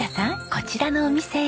こちらのお店へ。